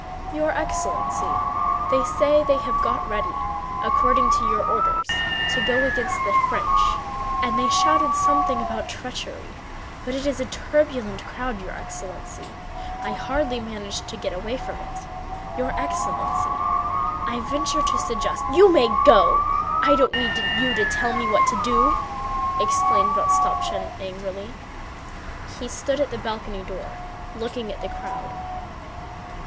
"Your excellency, they say they have got ready, according to your orders, to go against the French, and they shouted something about treachery. But it is a turbulent crowd, your excellency—I hardly managed to get away from it. Your excellency, I venture to suggest..." "You may go. I don't need you to tell me what to do!" exclaimed Rostopchín angrily. He stood by the balcony door looking at the crowd.